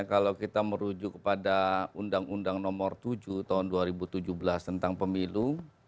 kalau kita merujuk kepada undang undang nomor tujuh tahun dua ribu tujuh belas tentang pemilu